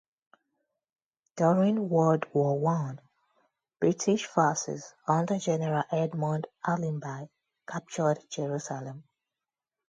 During World War One, British forces under General Edmund Allenby captured Jerusalem.